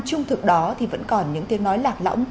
trung thực đó thì vẫn còn những tiếng nói lạc lõng